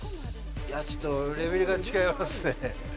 ちょっとレベルが違いますね。